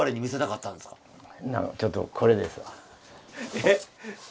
えっ？